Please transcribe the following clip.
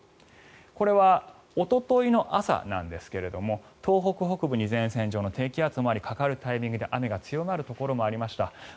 これはおとといの朝なんですが東北北部に前線上の低気圧もありかかるタイミングで雨が強まるタイミングもありました。